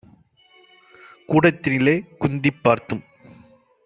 கூடத் தினிலே குந்திப் பார்த்தும்